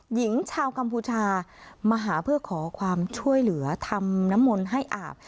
หญิงชาวกัมพูชามาหาเพื่อขอความช่วยเหลือทำน้ำมนต์ให้อาบ